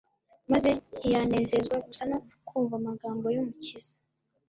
maze ntiyanezezwa gusa no kumva amagambo y'Umukiza,